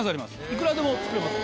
いくらでもつくれます。